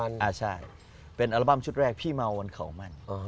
ในนับสุดคุณมานีวัน